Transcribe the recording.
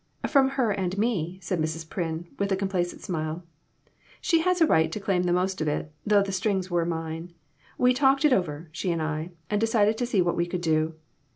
"From her and me," said Mrs. Pryn, with a complacent smile; "she has a right to claim the most of it ; though the strings were mine. We talked it over, she and I, and decided to see what we could do.